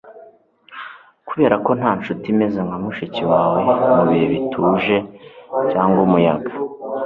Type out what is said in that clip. kuberako nta nshuti imeze nka mushiki wawe mubihe bituje cyangwa umuyaga